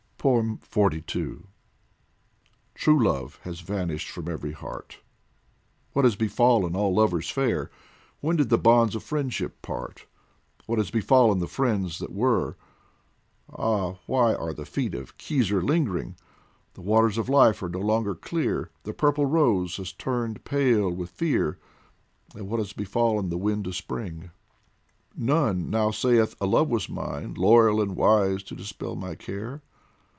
116 DIVAN OF HAFIZ XLII TRUE love has vanished from every heart ; What has befallen all lovers fair ? When did the bonds of friendship part ? What has befallen the friends that were ? Ah, why are the feet of Khizr lingering ? The waters of life are no longer clear, The purple rose has turned pale with fear, And what has befallen the wind of Spring ? None now sayeth :" A love was mine, Loyal and wise, to dispel my care."